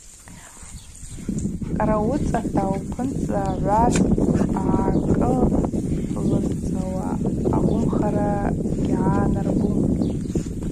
Кӏара уыцӏата упынцӏа гӏваз гӏакӏылызцауа йгвымхара гьгӏанарбум.